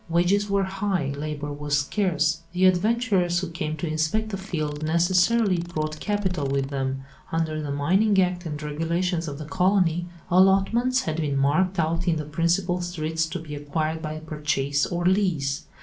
Wages were high, labour was scarce. The adventurers who came to inspect the "field" necessarily brought capital with them. Under the Mining Act and Regulations of the colony, allotments had been marked out in the principal streets to be acquired by purchase or lease.